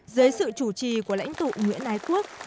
dưới sự chủ trì của lãnh tụ nguyễn ái quốc